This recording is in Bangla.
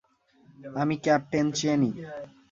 আমি ক্যাপ্টেন চেনি।